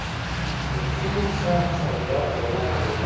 د چین اقتصاد په صادراتو ولاړ دی.